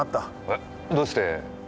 えどうして？